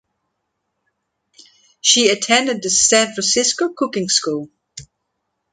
She attended the San Francisco Cooking School.